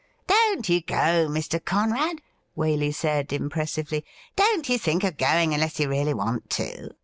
' Don't you go, Mr. Conrad,' Waley said impressively, ' Don't you think of going unless you really want to.